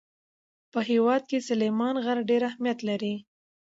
په هېواد کې سلیمان غر ډېر اهمیت لري.